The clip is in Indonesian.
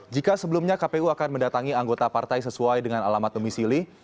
jika sebelumnya kpu akan mendatangi anggota partai sesuai dengan alamat pemisili